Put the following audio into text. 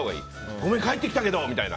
ごめん帰ってきたけど、みたいな。